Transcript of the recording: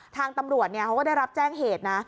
ทางตำรวจเขาก็ได้รับแจ้งเหตุนะ